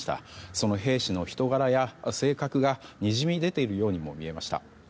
その兵士の人柄や性格がにじみ出ているようにも見えました。